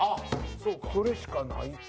それしかないか。